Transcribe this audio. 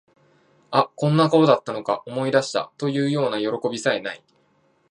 あ、こんな顔だったのか、思い出した、というようなよろこびさえ無い